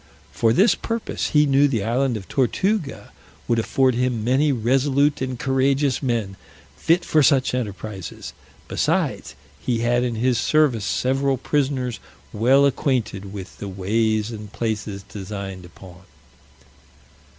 For this purpose he knew the island of Tortuga would afford him many resolute and courageous men, fit for such enterprises: besides, he had in his service several prisoners well acquainted with the ways and places designed upon.